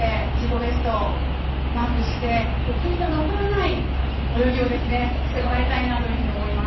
ベストマークして悔いの残らない泳ぎをしてもらいたいなと思います。